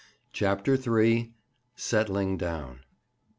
CHAPTER III. "SETTLING DOWN."